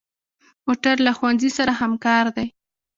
موټر له ښوونځي سره همکار دی.